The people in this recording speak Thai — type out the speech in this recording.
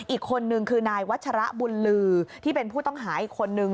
อีกคนนึงคือนายวัชระบุญลือที่เป็นผู้ต้องหาอีกคนนึง